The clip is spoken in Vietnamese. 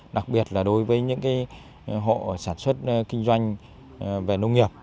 đặc biệt là đối với những hộ sản xuất kinh doanh về nông nghiệp